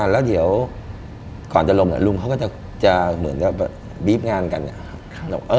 แล้วเดี๋ยวก่อนจะลงเหมือนลุงเขาก็จะบี๊บงานกัน